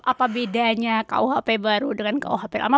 apa bedanya kuhp baru dengan kuhp lama